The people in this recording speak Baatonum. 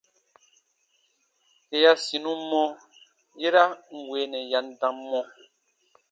Yè ya sinum mɔ, yera n weenɛ ya n dam mɔ.